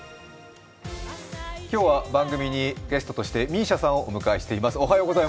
今日は番組にゲストとしてＭＩＳＩＡさんをお迎えしています。